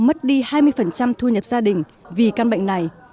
mất đi hai mươi thu nhập gia đình vì căn bệnh này